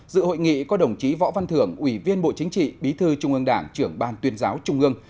dự hội nghị có đồng chí võ văn thưởng ủy viên bộ chính trị bí thư trung ương đảng trưởng ban tuyên giáo trung ương